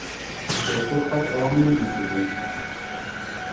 پێشتر قەت ئەوەم نەدیتبوو.